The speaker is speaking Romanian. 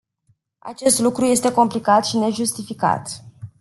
Acest lucru este complicat și nejustificat.